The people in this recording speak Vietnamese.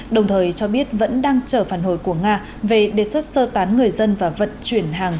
đồng thời cho biết vẫn đang chờ phản hồi của nga về đề xuất sơ tán người dân và vận chuyển hàng